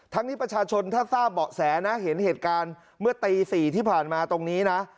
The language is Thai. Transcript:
นี้ประชาชนถ้าทราบเบาะแสนะเห็นเหตุการณ์เมื่อตี๔ที่ผ่านมาตรงนี้นะ